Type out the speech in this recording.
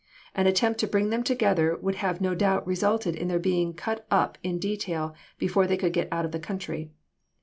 An attempt to bring them together would have no doubt resulted in their being cut up in detail before they could get out of the country.